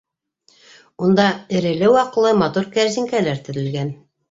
Унда эреле-ваҡлы матур кәрзинкәләр теҙелгән.